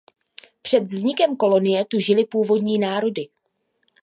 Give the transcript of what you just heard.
Před vznikem kolonie tu žily původní národy.